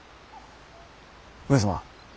上様。